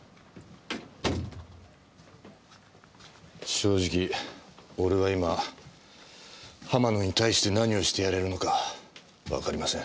正直俺は今浜野に対して何をしてやれるのかわかりません。